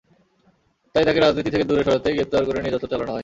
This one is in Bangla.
তাই তাঁকে রাজনীতি থেকে দূরে সরাতেই গ্রেপ্তার করে নির্যাতন চালানো হয়।